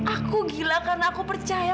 aku gila karena aku percaya